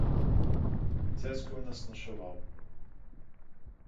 Дзядзька ў нас начаваў.